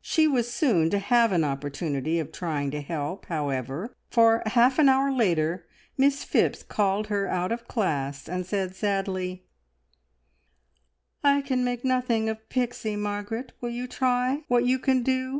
She was soon to have an opportunity of trying to help, however, for half an hour later Miss Phipps called her out of class, and said sadly "I can make nothing of Pixie, Margaret. Will you try what you can do?